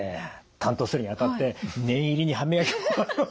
担当するにあたって念入りに歯磨きを。